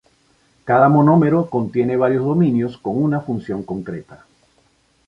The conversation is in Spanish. Cada monómero contiene varios dominios con una función concreta.